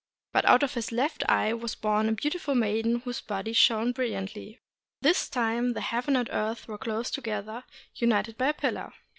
But out of his left eye was born a beautiful maiden whose body shone brilliantly. At this time the heaven and earth were close together, united by a pillar.